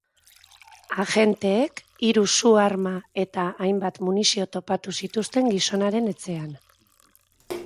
Agenteek hiru su-arma eta hainbat munizio topatu zituzten gizonaren etxean.